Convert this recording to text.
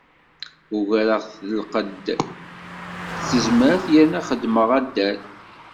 Ugareɣ-t lqedd d tezmert yerna xeddmeɣ addal.